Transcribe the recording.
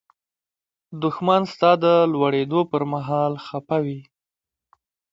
دښمن ستا د لوړېدو پر مهال خپه وي